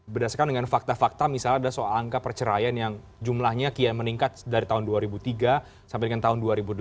berdasarkan dengan fakta fakta misalnya ada soal angka perceraian yang jumlahnya kian meningkat dari tahun dua ribu tiga sampai dengan tahun dua ribu delapan